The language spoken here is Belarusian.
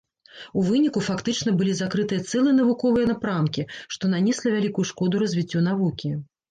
У выніку фактычна былі закрыты цэлыя навуковыя напрамкі, што нанесла вялікую шкоду развіццю навукі.